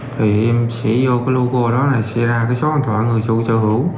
thì em sẽ vô cái logo đó là sẽ ra cái số hòn thoại người sử sở hữu